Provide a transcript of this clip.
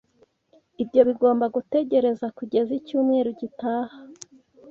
Ibyo bigomba gutegereza kugeza icyumweru gitaha.